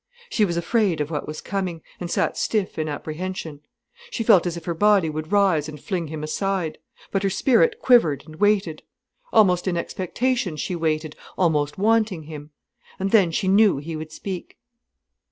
She was afraid of what was coming, and sat stiff in apprehension. She felt as if her body would rise and fling him aside. But her spirit quivered and waited. Almost in expectation she waited, almost wanting him. And then she knew he would speak.